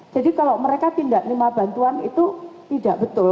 jadi kalau mereka tidak terima bantuan itu tidak betul